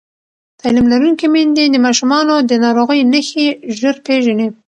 تعلیم لرونکې میندې د ماشومانو د ناروغۍ نښې ژر پېژني.